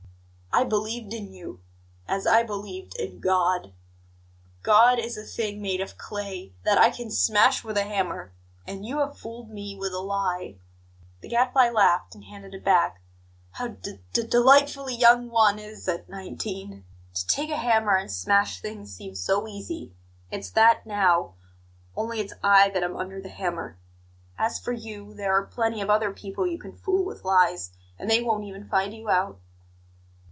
"I believed in you, as I believed in God. God is a thing made of clay, that I can smash with a hammer; and you have fooled me with a lie." The Gadfly laughed and handed it back. "How d d delightfully young one is at nineteen! To take a hammer and smash things seems so easy. It's that now only it's I that am under the hammer. As for you, there are plenty of other people you can fool with lies and they won't even find you out."